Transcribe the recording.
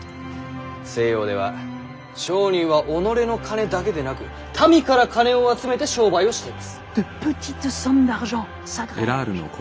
西洋では商人は己の金だけでなく民から金を集めて商売をしています。